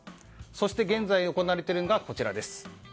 そして現在行われているのがこちら。